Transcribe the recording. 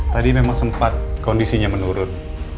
tadi memang sempat kondisinya menurun